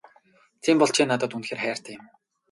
Тийм бол чи надад үнэхээр хайртай юм уу?